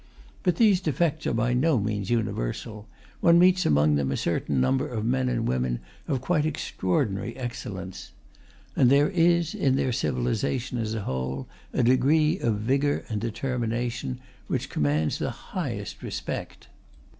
But these defects are by no means universal; one meets among them a certain number of men and women of quite extraordinary excellence. And there is in their civilization as a whole a degree of vigour and determination which commands the highest respect.